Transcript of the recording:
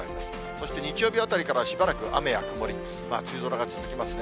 そして日曜日あたりからしばらく雨や曇り、梅雨空が続きますね。